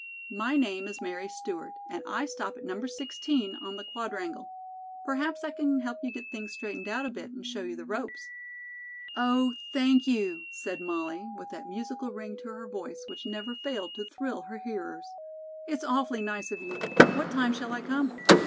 "My name is Mary Stewart, and I stop at No. 16 on the Quadrangle. Perhaps I can help you get things straightened out a bit and show you the ropes." "Oh, thank you," said Molly, with that musical ring to her voice which never failed to thrill her hearers. "It's awfully nice of you. What time shall I come?"